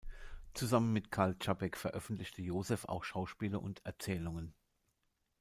Zusammen mit Karel Čapek veröffentlichte Josef auch Schauspiele und Erzählungen.